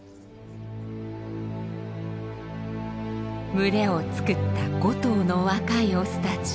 群れを作った５頭の若いオスたち。